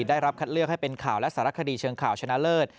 ได้รับคัดเลือกให้เป็นข่าวและสารคดีเชิงข่าวชนะเลิศ